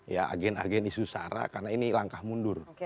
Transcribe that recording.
ya agen agen isu sara karena ini langkah mundur